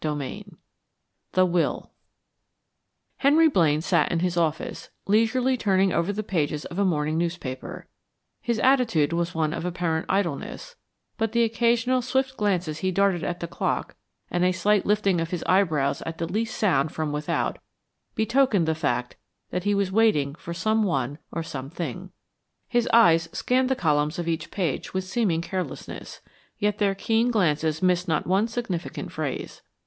CHAPTER V THE WILL Henry Blaine sat in his office, leisurely turning over the pages of a morning newspaper; his attitude was one of apparent idleness, but the occasional swift glances he darted at the clock and a slight lifting of his eyebrows at the least sound from without betokened the fact that he was waiting for some one or something. His eyes scanned the columns of each page with seeming carelessness, yet their keen glances missed not one significant phrase.